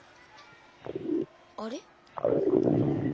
あれ？